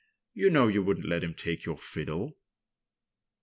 "You know you wouldn't let him take your fiddle."